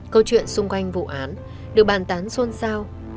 câu chuyện xung quanh vụ án được bàn tán xôn xao